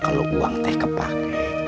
kalau uang teh kepak